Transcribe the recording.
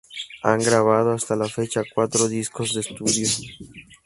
Han grabado hasta la fecha cuatro discos de estudio.